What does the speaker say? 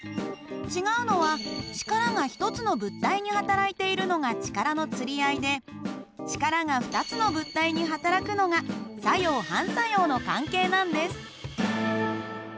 違うのは力が１つの物体にはたらいているのが力のつり合いで力が２つの物体にはたらくのが作用・反作用の関係なんです。